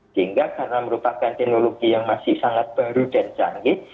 sehingga karena merupakan teknologi yang masih sangat baru dan canggih